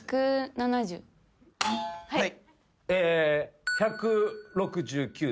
はい。